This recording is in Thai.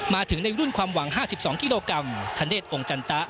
มาถึงในรุ่นความหวัง๕๒กิโลกรัมธเนธองค์จันตะ